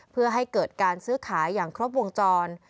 เพื่อให้เกิดการซื้อขายอย่างครบวงจร